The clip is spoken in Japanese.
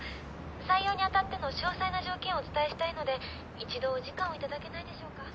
採用にあたっての詳細な条件をお伝えしたいので１度お時間を頂けないでしょうか。